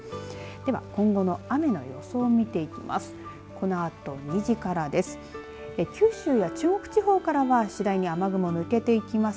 では今後の雨の予想を見ていきます。